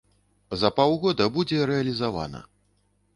За паўгода будзе рэалізавана.